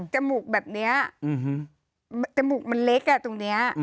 มูกแบบนี้จมูกมันเล็กอ่ะตรงนี้